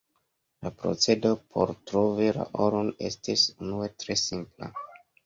La procedo por trovi la oron estis unue tre simpla.